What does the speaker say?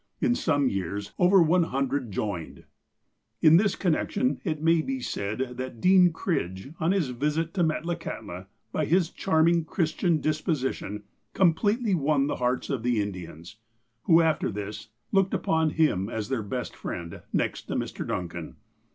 In some years over one hundred joined. In this connection it may be said that Dean Cridge, on his visit to Metlakahtla, by his charming Christian dis position, completely won the hearts of the Indians, who, after this, looked upon him as their best friend, next to Mr. Duncan.